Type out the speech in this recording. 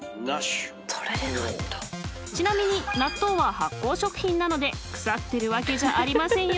［ちなみに納豆は発酵食品なので腐っているわけじゃありませんよ